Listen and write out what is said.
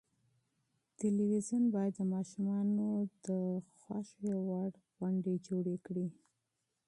تلویزیون باید د ماشومانو د ذوق مطابق پروګرامونه جوړ کړي.